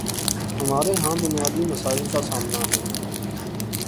ہمارے ہاں بنیادی مسائل کا سامنا ہے۔